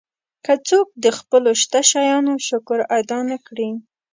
که څوک د خپلو شته شیانو شکر ادا نه کړي.